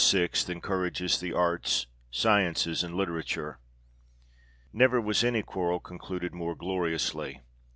encourages the Arts, Sciences, and Literature. NEVER was any quarrel concluded more gloriously.